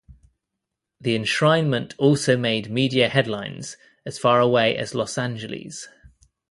The enshrinement also made media headlines as far away as Los Angeles.